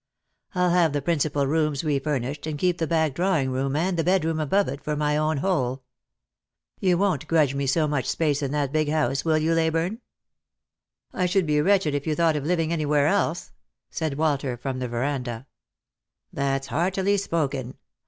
I'll have the principal rooms refurnished, and keep the back drawing room and the bedroom above it for my own hole. You won't grudge me so much space in that big house, will you, Leyburne ?"" I should be wretched if you thought of living anywhere else," said Walter from the verandah. " That's heartily spoken.